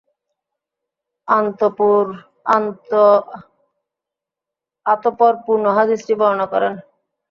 আতঃপর পূর্ণ হাদীসটি বর্ণনা করেন।